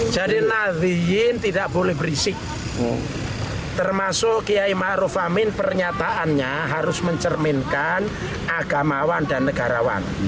jadi nazim tidak boleh berisik termasuk kiai maruf amin pernyataannya harus mencerminkan agamawan dan negarawan